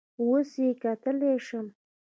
اوس یې کتلی شم؟